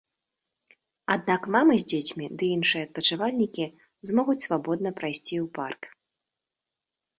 Аднак мамы з дзецьмі ды іншыя адпачывальнікі змогуць свабодна прайсці ў парк.